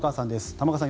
玉川さん